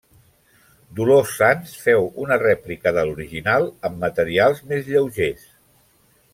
Dolors Sans féu una rèplica de l'original amb materials més lleugers.